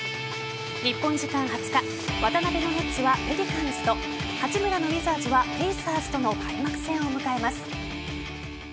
日本時間２０日渡邊のネッツはペリカンズと八村のウィザーズはペイサーズとの開幕戦を迎えます。